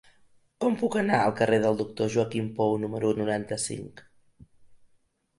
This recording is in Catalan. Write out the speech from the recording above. Com puc anar al carrer del Doctor Joaquim Pou número noranta-cinc?